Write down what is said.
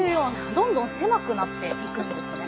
どんどん狭くなっていくんですね。